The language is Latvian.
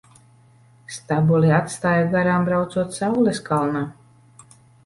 Stabuli atstāju garām braucot saules kalnā.